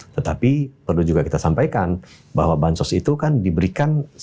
tetapi perlu juga kita sampaikan bahwa bansos itu kan diberikan